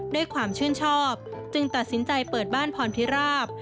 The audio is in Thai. ด้วยความชื่นชอบจึงตัดสินใจเปิดบ้านพรพิราบ